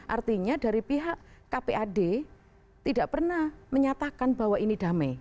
artinya dari pihak kpad tidak pernah menyatakan bahwa ini damai